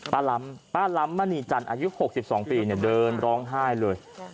ป้าล้ำมณีจันทร์อายุ๖๒ปีเดินร้องไห้เลย